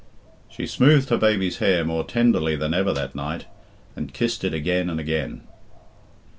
She smoothed her baby's hair more tenderly than ever that night, and kissed it again and again.